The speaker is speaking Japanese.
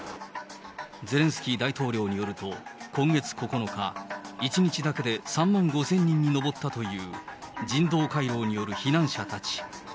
ゼレンスキー大統領によると、今月９日、１日だけで３万５０００人に上ったという、人道回廊による避難者たち。